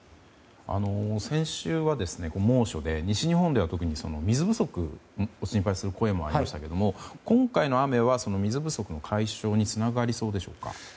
先週は猛暑で西日本では特に水不足を心配する声もありましたが今回の雨は、水不足解消につながりそうでしょうか？